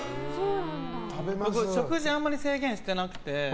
食事あんまり制限してなくて。